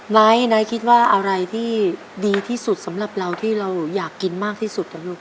ไนท์ไนท์คิดว่าอะไรที่ดีที่สุดสำหรับเราที่เราอยากกินมากที่สุดนะลูก